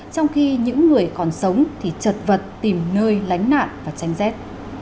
trong khi những người còn sống thì chật vật tìm nơi lánh nạn và tranh rét